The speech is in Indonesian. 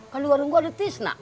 kalau warung gue ada tisna